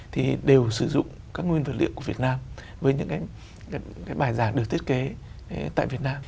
thì đều sử dụng các nguyên vật liệu của việt nam với những cái bài giảng được thiết kế tại việt nam